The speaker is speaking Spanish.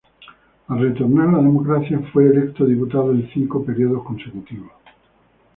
Al retornar la democracia fue electo diputado en cinco periodos consecutivos.